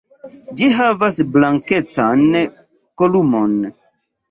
Ĝi havas blankecan kolumon.